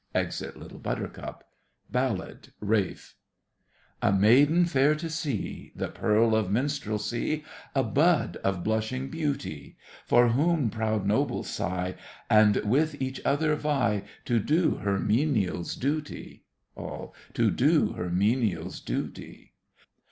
Exit LITTLE BUTTERCUP BALLAD — RALPH A maiden fair to see, The pearl of minstrelsy, A bud of blushing beauty; For whom proud nobles sigh, And with each other vie To do her menial's duty. ALL. To do her menial's duty.